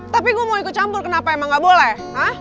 tapi gua mau ikut campur kenapa emang ga boleh